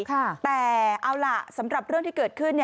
แต่เอาล่ะสำหรับเรื่องที่เกิดขึ้น